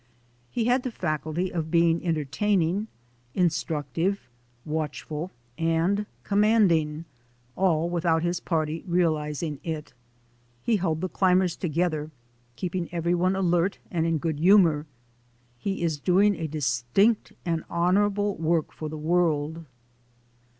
He had the faculty of being entertaining, instructive, watchful, and com manding, all without his party realizing it. He held the climbers together, keeping everyone alert and in good humour; he is doing a distinct and hon ourable work for the world.